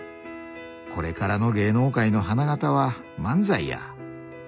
「これからの芸能界の花形は漫才や」。